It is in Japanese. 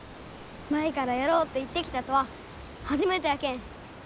舞からやろうって言ってきたとは初めてやけん。